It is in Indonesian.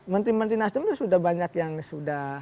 menteri menteri nasdem itu sudah banyak yang sudah